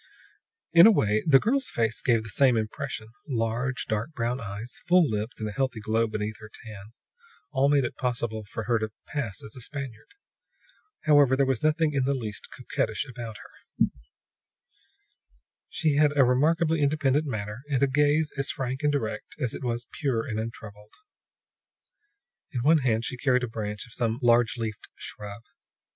In a way, the girl's face gave the same impression. Large, dark brown eyes, full lips and a healthy glow beneath her tan, all made it possible for her to pass as a Spaniard. However, there was nothing in the least coquettish about her; she had a remarkably independent manner, and a gaze as frank and direct as it was pure and untroubled. In one hand she carried a branch from some large leafed shrub.